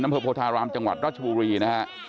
อำเภอโพธารามจังหวัดราชบุรีนะฮะ